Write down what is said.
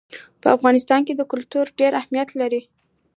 په افغانستان کې کلتور ډېر اهمیت لري.